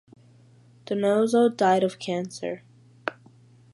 Donoso died of cancer.